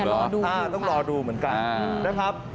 ต้องรอดูเหมือนกันนะครับ